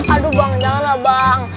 aduh bang jangan lah bang